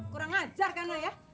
kurang ajar kan ya